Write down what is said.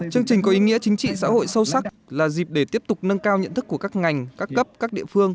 chương trình có ý nghĩa chính trị xã hội sâu sắc là dịp để tiếp tục nâng cao nhận thức của các ngành các cấp các địa phương